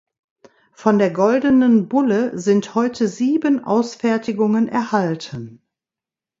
Von der Goldenen Bulle sind heute sieben Ausfertigungen erhalten.